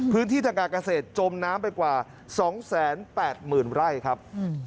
พื้นที่ทางการเกษตรจมน้ำไปกว่า๒๘๐๐๐ไร่ครับ